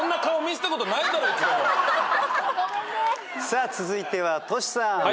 さあ続いてはトシさん。